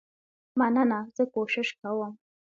مننه زه کوشش کوم.